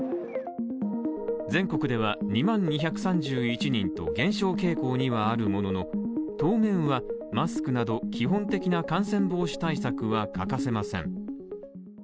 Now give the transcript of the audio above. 全国では２０２３１人と減少傾向にはあるものの当面はマスクなど基本的な感染防止対策は欠かせません。